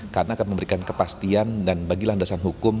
karena akan memberikan kepastian dan bagi landasan hukum